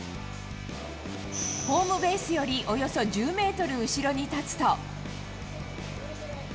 ホームベースよりおよそ１０メートル後ろに立つと。